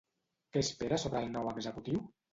Què espera sobre el nou executiu?